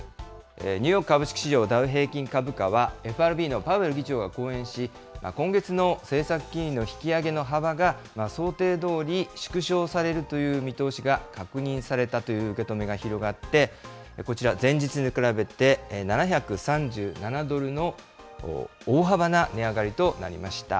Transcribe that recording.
ニューヨーク株式市場ダウ平均株価は、ＦＲＢのパウエル議長が講演し、今月の政策金利の引き上げの幅が想定どおり縮小されるという見通しが確認されたという受け止めが広がって、こちら、前日に比べて７３７ドルの大幅な値上がりとなりました。